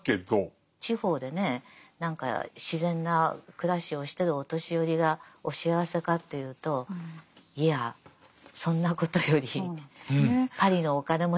地方でね何か自然な暮らしをしてるお年寄りがお幸せかというといやそんなことよりパリのお金持ちの方が長生きだって。